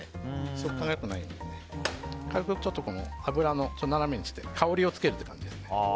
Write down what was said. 食感が良くないので軽く油を斜めにして香りをつける感じですね。